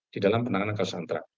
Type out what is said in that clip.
di dalam penanganan kasus santra